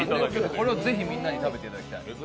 これをぜひみんなに食べていただきたいです。